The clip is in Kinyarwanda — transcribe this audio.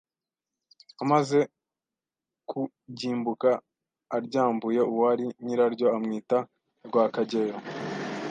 amaze kugimbuka aryambuye uwari nyiraryo amwita Rwakageyo.